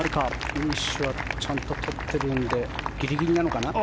フィニッシュはちゃんと取ってるのでギリギリなのかな。